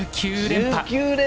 １９連覇⁉